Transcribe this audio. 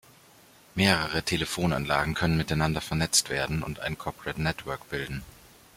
Mehrere Telefonanlagen können miteinander vernetzt werden und ein Corporate Network bilden.